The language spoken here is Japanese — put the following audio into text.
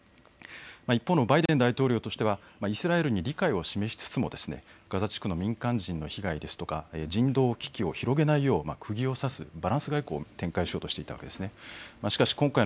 一方のバイデン大統領としてはイスラエルに理解を示しつつもガザ地区の民間人の被害、人道危機を広げないようくぎを刺すバランス外交を展開しようとしていたんです。